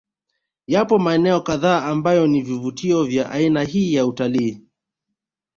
Yapo maeneo kadhaa ambayo ni vivutio vya aina hii ya Utalii